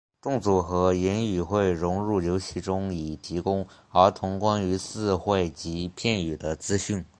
动作和言语会融入游戏中以提供儿童关于字汇及片语的资讯。